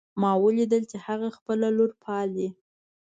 ما ولیدل چې هغه خپله لور پالي